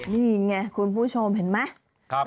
นี่ไงคุณผู้ชมเห็นไหม